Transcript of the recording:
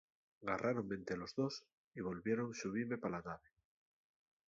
Garráronme ente los dos y volvieron xubime pa la nave.